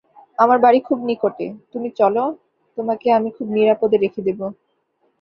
আমার বাড়ি খুব নিকটে, তুমি চলো, তোমাকে আমি খুব নিরাপদে রেখে দেব।